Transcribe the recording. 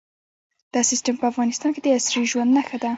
دا سیستم په افغانستان کې د عصري ژوند نښه ده.